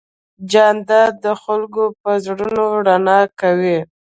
جانداد د خلکو په زړونو رڼا کوي.